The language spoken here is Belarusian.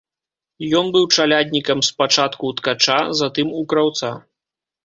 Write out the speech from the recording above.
Ён быў чаляднікам спачатку ў ткача, затым у краўца.